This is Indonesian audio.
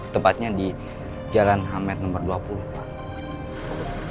tepatnya di jalan hamed nomor dua puluh pak